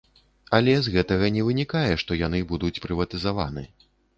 Але з гэтага не вынікае, што яны будуць прыватызаваны.